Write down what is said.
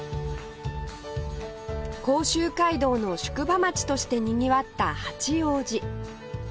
甲州街道の宿場町としてにぎわった八王子